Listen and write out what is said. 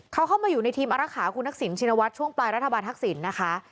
เขาเข้ามาอยู่ในทีมอารักษาคุณทักษิณชินวัฒน์ช่วงปลายรัฐบาลทักษิณนะคะ